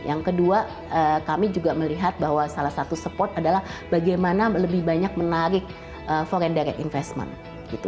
yang kedua kami juga melihat bahwa salah satu support adalah bagaimana lebih banyak menarik foreign direct investment gitu